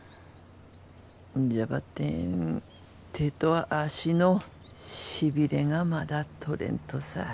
じゃばってん手と足のしびれがまだ取れんとさ。